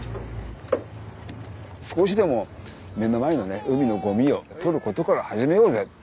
少しでも目の前のね海のゴミを取ることから始めようぜ。